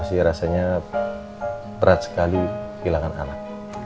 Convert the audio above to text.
saya rasanya berat sekali kehilangan anak